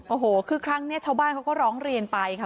โอ้โหครึ่งครั้งเนี่ยเช้าบ้านเขาก็ร้องเรียนไปค่ะ